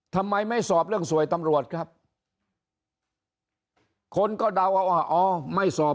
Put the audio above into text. ทำไมไม่สอบเรื่องสวยตำรวจครับคนก็เดาเอาว่าอ๋อไม่สอบ